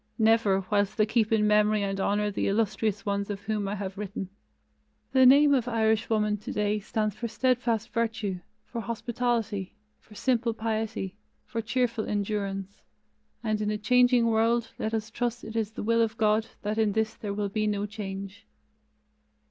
Never: whilst they keep in memory and honor the illustrious ones of whom I have written. The name of Irishwoman today stands for steadfast virtue, for hospitality, for simple piety, for cheerful endurance, and in a changing world let us trust it is the will of God that in this there will be no change.